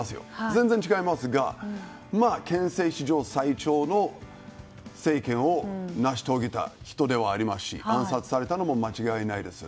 全然違いますが憲政史上最長の政権を成し遂げた人ではありますし暗殺されたのも間違いないです。